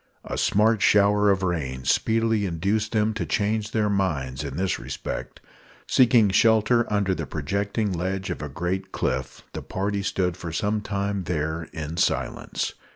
A smart shower of rain speedily induced them to change their minds in this respect. Seeking shelter under the projecting ledge of a great cliff, the party stood for some time there in silence.